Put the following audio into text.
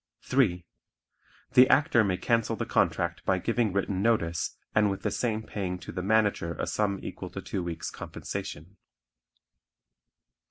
(3) The Actor may cancel the contract by giving written notice and with the same paying to the manager a sum equal to two weeks' compensation.